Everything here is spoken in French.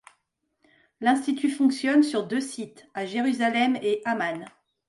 L'institut fonctionne sur deux sites, à Jérusalem et Amman.